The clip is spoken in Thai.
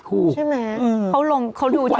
แล้วใครจะไม่มาลง